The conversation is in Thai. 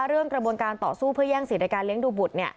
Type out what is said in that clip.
ว่าเรื่องกระบวนการต่อสู้เพื่อย่างศีลในการเลี้ยงดูบุตร